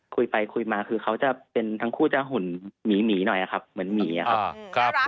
คุยไปคุยมาคือเขาจะเป็นทั้งคู่จะหุ่นหมีหน่อยครับเหมือนหมีอะครับ